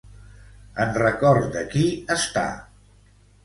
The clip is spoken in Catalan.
En record de qui està?